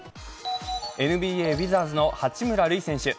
ＮＢＡウィザーズの八村塁選手。